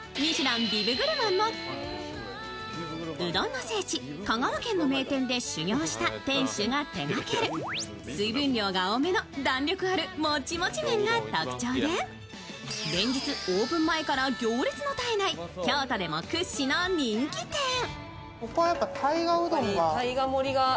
うどんの聖地・香川県の名店で修業した店主が手がける水分量が多めの弾力あるもちもち麺が特徴で、連日、オープン前から行列の絶えない京都でも屈指の人気店。